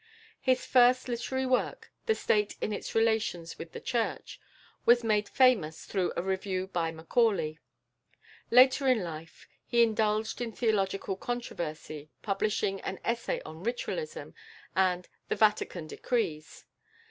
His first literary work, "The State in its Relations with the Church," was made famous through a review by Macaulay. Later in life he indulged in theological controversy, publishing an "Essay on Ritualism" and "The Vatican Decrees."